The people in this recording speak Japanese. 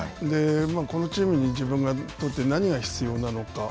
このチームに自分にとって何が必要なのか。